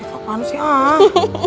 gak apa apaan sih ah